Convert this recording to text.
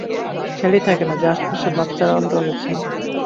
খেয়ালই থাকে না যে, আশেপাশে বাচ্চারাও রয়েছে।